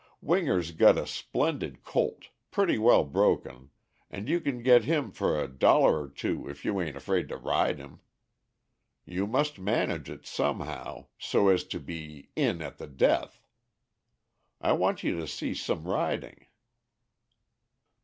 Winger's got a splendid colt, pretty well broken, and you can get him for a dollar or two if you a'n't afraid to ride him. You must manage it somehow, so as to be 'in at the death!' I want you to see some riding."